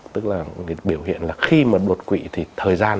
tức là biểu hiện là khi mà đột quỵ thì thời gian